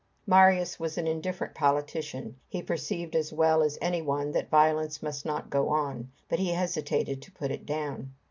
Marius was an indifferent politician. He perceived as well as any one that violence must not go on, but he hesitated to put it down.